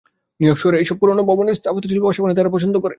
New York শহরের এইসব পুরোনো ভবনের স্থাপত্যশিল্পে বাসা বানাতে এরা পছন্দ করে।